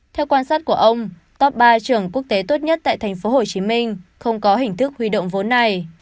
theo quan sát của ông top ba trường quốc tế tốt nhất tại tp hcm không có hình thức huy động vốn này